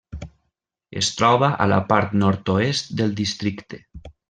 Es troba a la part nord-oest del districte.